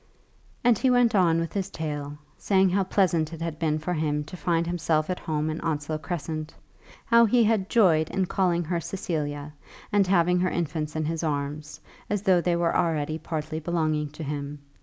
And he went on with his tale, saying how pleasant it had been for him to find himself at home in Onslow Crescent, how he had joyed in calling her Cecilia, and having her infants in his arms, as though they were already partly belonging to him.